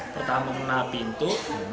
pertama menang pintu